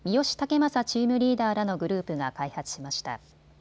正チームリーダーらのグループが開発しました。